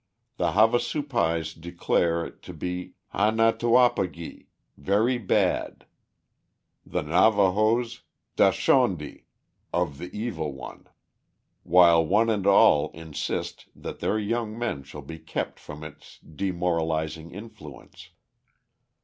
The Havasupais declare it to be han a to op o gi, "very bad," the Navahos da shon de, "of the Evil One," while one and all insist that their young men shall be kept from its demoralizing influence.